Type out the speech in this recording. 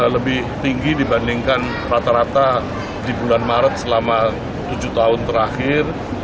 lebih tinggi dibandingkan rata rata di bulan maret selama tujuh tahun terakhir